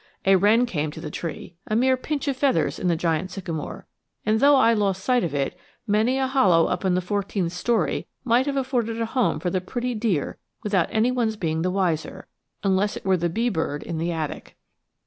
A wren came to the tree, a mere pinch of feathers in the giant sycamore, and though I lost sight of it, many a hollow up in the fourteenth story might have afforded a home for the pretty dear without any one's being the wiser, unless it were the bee bird in the attic.